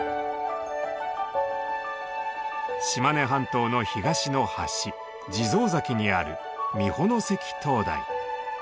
島根半島の東の端地蔵崎にある美保関灯台。